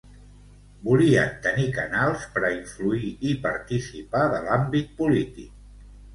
Volien tenir canals per a influir i participar de l’àmbit polític.